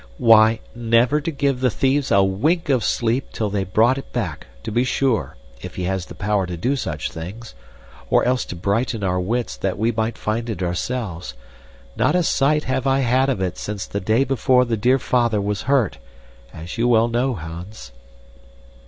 "Why, never to give the thieves a wink of sleep till they brought it back, to be sure, if he has the power to do such things, or else to brighten our wits that we might find it ourselves. Not a sight have I had of it since the day before the dear father was hurt as you well know, Hans."